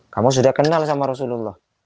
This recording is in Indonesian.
kamu sudah kenal sama rasulullah